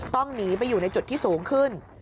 ต้องหนีไปอยู่ในจุดที่สูงขึ้น